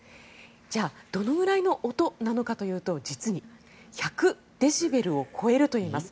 じゃあどのくらいの音なのかというと実に１００デシベルを超えるといいます。